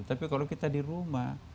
tapi kalau kita di rumah